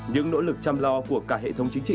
những nỗ lực chăm lo của cả hệ thống chính trị